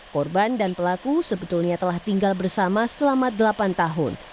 korban dan pelaku sebetulnya telah tinggal bersama selama delapan tahun